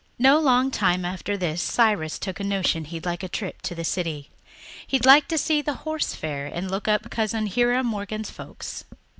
No long time after this Cyrus took a notion he'd like a trip to the city. He'd like to see the Horse Fair and look up Cousin Hiram Morgan's folks.